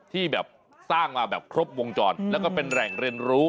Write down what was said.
ที่แบบสร้างมาแบบครบวงจรแล้วก็เป็นแหล่งเรียนรู้